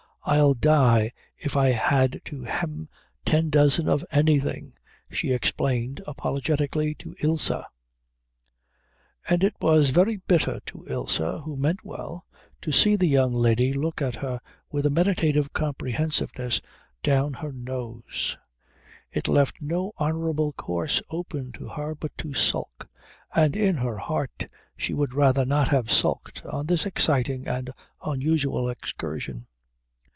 "I'd die if I had to hem ten dozen of anything," she explained apologetically to Ilse. And it was very bitter to Ilse, who meant well, to see the young lady look at her with a meditative comprehensiveness down her nose; it left no honourable course open to her but to sulk, and in her heart she would rather not have sulked on this exciting and unusual excursion.